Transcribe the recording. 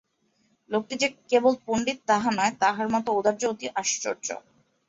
লোকটি যে কেবল পণ্ডিত তাহা নয়, তাঁহার মতের ঔদার্য অতি আশ্চর্য।